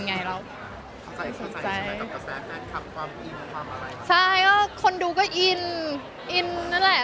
ไงเราเข้าใจเข้าใจความอินความอะไรใช่ก็คนดูก็อินอินนั่นแหละ